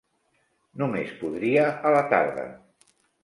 Només podria a la tarda.